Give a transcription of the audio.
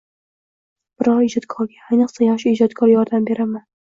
Biror ijodkorga, ayniqsa, yosh ijodkor yordam beraman.